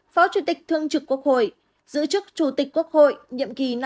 phó chủ tịch thương trực quốc hội